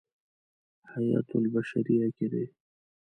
حیاة البشریة کې دی.